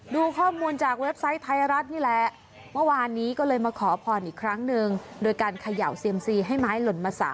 ดูข้อมูลจากเว็บไซต์ไทยรัฐนี่แหละ